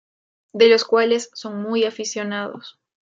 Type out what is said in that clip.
De los cuales son muy aficionados.